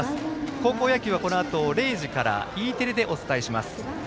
高校野球はこのあと０時からＥテレお伝えします。